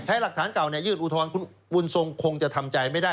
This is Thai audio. ใช้หลักฐานเก่ายื่นอุทธรณ์คุณบุญทรงคงจะทำใจไม่ได้